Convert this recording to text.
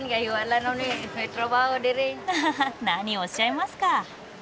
アハハ何をおっしゃいますか。